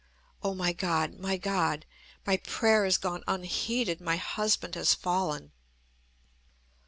O my God, my God! My prayer has gone unheeded! My husband has fallen!